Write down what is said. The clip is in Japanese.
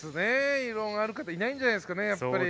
異論がある方、いないんじゃないですかね。